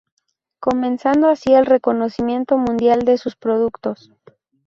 Comenzando así el reconocimiento mundial de sus productos.